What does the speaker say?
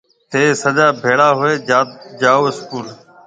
ٿَي سجا ڀيڙا هوئي جاو اسڪول